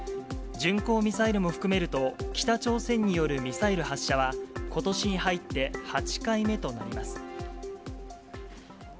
巡航ミサイルも含めると、北朝鮮によるミサイル発射は、ことしに入って８回目となります。